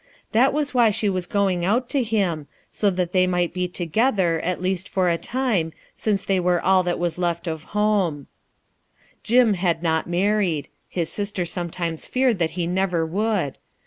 That was why she was going out to him, so that they might be together, at least for a time, since they were all that was left of home, Jim had not married; his sister sometimes feared that he never would.